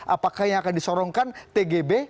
apakah yang akan disorongkan tgb